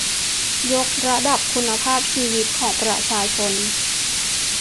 ยกระดับคุณภาพชีวิตของประชาชน